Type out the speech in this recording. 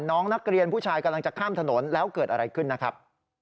น้องนักเรียนผู้ชายกำลังจะข้ามถนนแล้วเกิดอะไรขึ้นนะครับ